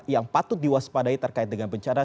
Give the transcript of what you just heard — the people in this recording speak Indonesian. yang patut diwaspadai terkait dengan bencana